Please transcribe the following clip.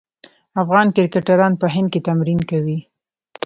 افغان کرکټران په هند کې تمرین کوي.